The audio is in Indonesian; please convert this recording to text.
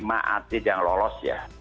lima atlet yang lolos ya